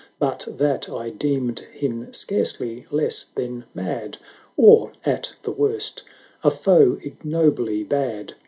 But that I deemed him scarcely less than mad, Or, at the worst, a foe ignobly bad.